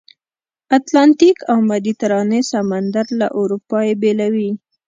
اتلانتیک او مدیترانې سمندر له اروپا یې بېلوي.